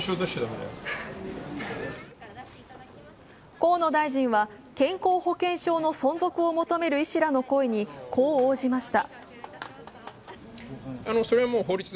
河野大臣は、健康保険証の存続を求める医師らの声にこう応じました。